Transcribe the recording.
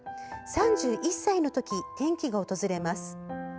３１歳の時、転機が訪れます。